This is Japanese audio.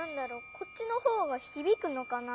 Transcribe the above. こっちの方がひびくのかな？